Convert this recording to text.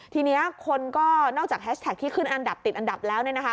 ทีนี้คนก็นอกจากแฮชแท็กที่ขึ้นอันดับติดอันดับแล้ว